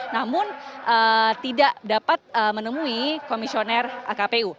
namun tidak dapat menemui komisioner kpu